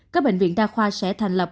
các bệnh viện đa khoa sẽ thành lập